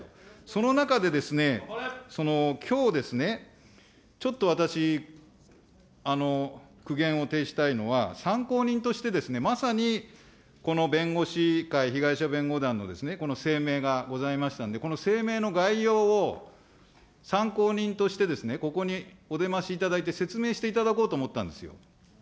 その中で、きょうですね、ちょっと私、苦言を呈したいのは、参考人としてまさにこの弁護士会、被害者弁護団のこの声明がございましたんで、この声明の概要を参考人として、ここにお出ましいただいて説明していただこうと思ったんですよ。